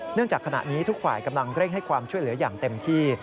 จากขณะนี้ทุกฝ่ายกำลังเร่งให้ความช่วยเหลืออย่างเต็มที่